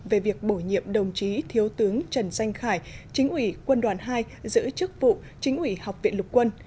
về việc bổ nhiệm đồng chí thiếu tướng trần danh khải chính ủy quân đoàn hai giữ chức vụ chính ủy học viện lục quân